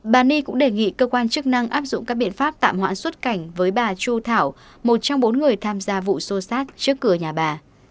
bà ni cũng đề nghị cơ quan chức năng áp dụng các biện pháp tạm hoãn xuất cảnh với bà chu thảo một trong bốn người tham gia vụ xô xát trước cửa nhà bà